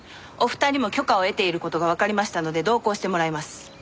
お二人も許可を得ている事がわかりましたので同行してもらいます。